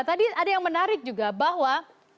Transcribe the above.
tadi ada yang menarik juga bahwa